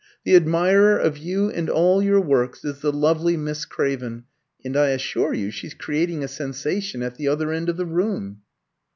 The admirer of you and all your works is the lovely Miss Craven, and I assure you she's creating a sensation at the other end of the room."